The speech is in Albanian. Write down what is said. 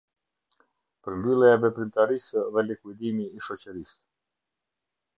Përmbyllja e veprimtarisë dhe likuidimi i shoqërisë.